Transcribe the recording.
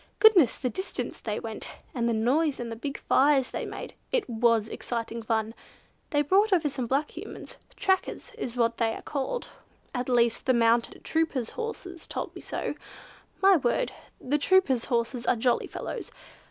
Goodness, the distances they went, and the noise and the big fires they made. It was exciting fun! They brought over some black Humans—'Trackers' is what they are called, at least the Mounted Troopers' horses told me so (my word the Troopers' horses are jolly fellows!)